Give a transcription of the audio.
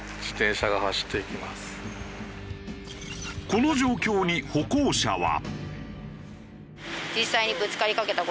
この状況に歩行者は。